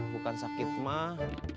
bukan sakit mah